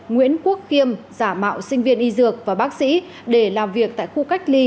nguyễn quốc kiêm giả mạo sinh viên y dược và bác sĩ để làm việc tại khu cách ly